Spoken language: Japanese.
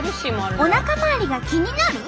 おなか回りが気になる？